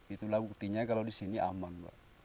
itulah buktinya kalau di sini aman mbak